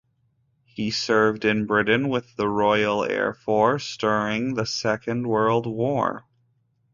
He served in Britain with the Royal Air Force during the Second World War.